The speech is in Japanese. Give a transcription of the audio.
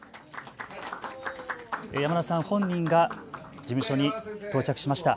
山田さん本人が事務所に到着しました。